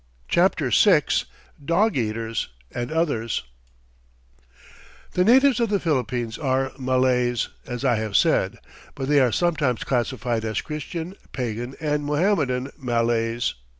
CHAPTER VI DOG EATERS AND OTHERS The natives of the Philippines are Malays, as I have said, but they are sometimes classified as Christian, Pagan and Mohammedan Malays.